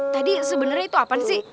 tadi sebenernya itu apaan sih